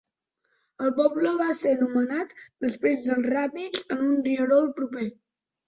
El poble va ser nomenat després dels ràpids en un rierol proper.